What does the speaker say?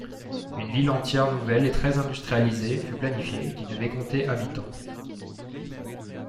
Une ville entièrement nouvelle et très industrialisée fut planifiée, qui devait compter habitants.